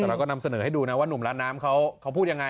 แต่เราก็นำเสนอให้ดูนะว่านุ่มร้านน้ำเขาพูดยังไง